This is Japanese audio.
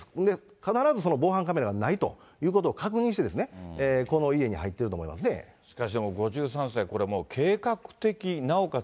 必ず防犯カメラがないということを確認して、この家に入ってるとしかしでも、５３世、計画的、なおかつ